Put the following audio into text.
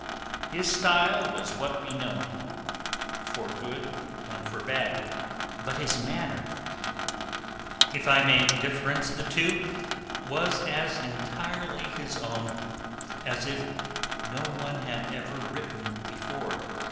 His style was what we know, for good and for bad, but his manner, if I may difference the two, was as entirely his own as if no one had ever written before.